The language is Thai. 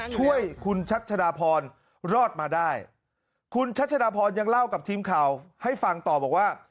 ช่วยคุณชัชดาพรรอดมาได้คุณชัชดาพรยังเล่ากับทีมข่าวให้ฟังต่อบอกว่า